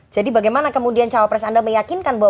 jadi bagaimana kemudian cawa press anda meyakinkan bahwa